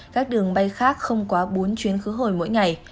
các đường bay khác không quá bốn chuyến khứ hồi mỗi ngày